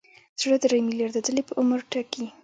زړه درې ملیارده ځلې په عمر ټکي.